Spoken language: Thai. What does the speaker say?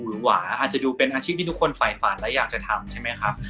หวาอาจจะดูเป็นอาชีพที่ทุกคนฝ่ายฝันและอยากจะทำใช่ไหมครับ